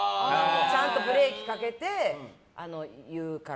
ちゃんとブレーキかけて言うから。